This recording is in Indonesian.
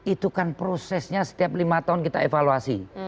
itu kan prosesnya setiap lima tahun kita evaluasi